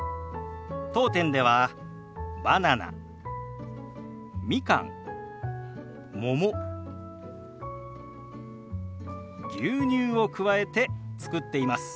当店ではバナナみかんもも牛乳を加えて作っています。